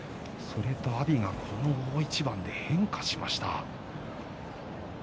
阿炎がこの大一番で変化しました。